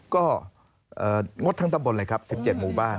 ก็งดทั้งตำบลเลยครับ๑๗หมู่บ้าน